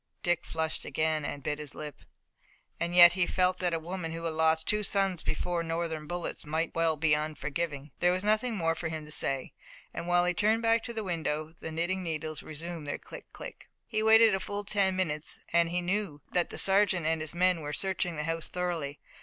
Dick flushed again and bit his lip. And yet he felt that a woman who had lost two sons before Northern bullets might well be unforgiving. There was nothing more for him to say, and while he turned back to the window the knitting needles resumed their click, click. He waited a full ten minutes and he knew that the sergeant and his men were searching the house thoroughly.